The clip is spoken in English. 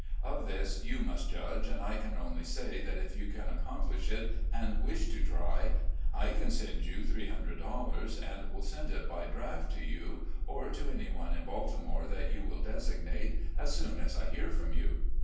Of this you must judge, and I can only say that if you can accomplish it, and wish to try, I can send you $300, and wiU send it by draft to you, or to any one in Baltimore that you will designate, as soon as I hear from you.